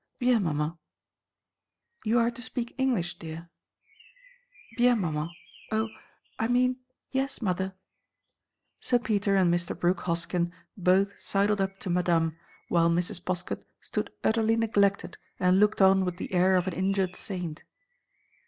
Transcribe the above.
"Bien, Maman." "You are to speak English, dear." "Bien, Maman—O! I mean yes, mother!" Sir Peter and Mr. Brooke Hoskyn both sidled up to Madame, while Mrs. Poskett stood utterly neglected and looked on with the air of an injured saint.